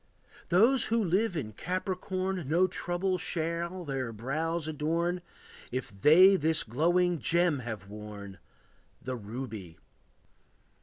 Those who live in Capricorn No trouble shall their brows adorn If they this glowing gem have worn, The ruby.